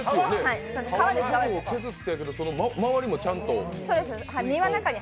皮の部分を削ってるけど、周りもちゃんと。